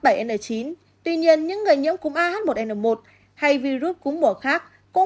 tuy nhiên những người nhiễm cúm ah một n một hay virus cúm mùa khác